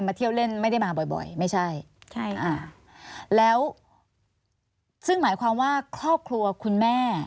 เที่ยวเล่นไม่ได้มาบ่อยบ่อยไม่ใช่ใช่อ่าแล้วซึ่งหมายความว่าครอบครัวคุณแม่